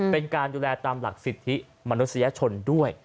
เป็นการดูแลตามหลักสิทธิมนุษยชนด้วย